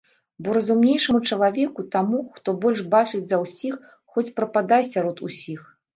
Бо разумнейшаму чалавеку, таму, хто больш бачыць за ўсіх, хоць прападай сярод усіх.